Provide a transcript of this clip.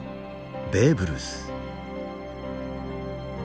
ベーブ・ルース。